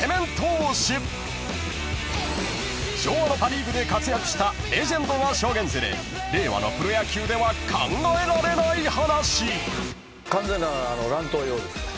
［昭和のパ・リーグで活躍したレジェンドが証言する令和のプロ野球では考えられない話］